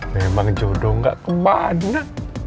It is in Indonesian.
memang jodoh nggak kemana